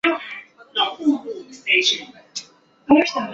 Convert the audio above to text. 生活中的汤灿喜欢佩戴翡翠首饰。